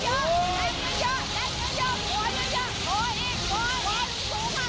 อาวุธวิทยายะจำเป็นลุ้นชอบตกนี้